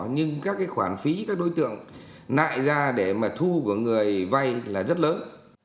nhưng các cái khoản phí các đối tượng nại ra để mà thu của người vay là rất lớn